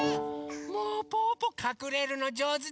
もうぽぅぽかくれるのじょうずだね。